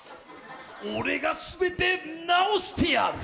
俺が全て治してやる。